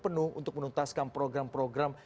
penuh untuk menuntaskan program program